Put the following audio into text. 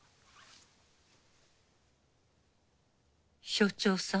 署長さん。